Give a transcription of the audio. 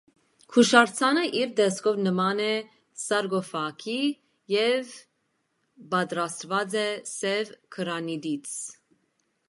Հուշարձանը իր տեսքով նման է սարկոֆագի և պատրաստված է սև գրանիտից։